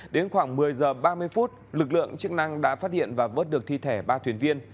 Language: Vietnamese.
đến khoảng một mươi h ba mươi phút lực lượng chức năng đã phát hiện và vớt được thi thể ba thuyền viên